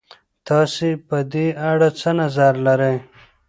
تاسې په دې اړه څه نظر لرئ؟